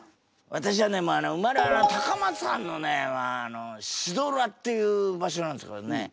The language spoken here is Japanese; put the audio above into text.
私はね生まれは高松藩のねまああの志度浦っていう場所なんですけどね